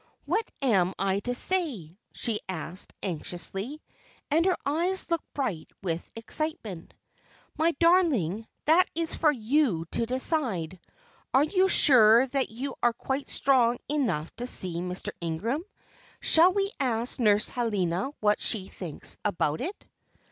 "What am I to say?" she asked, anxiously, and her eyes looked bright with excitement. "My darling, that is for you to decide. Are you sure that you are quite strong enough to see Mr. Ingram? Shall we ask Nurse Helena what she thinks about it?"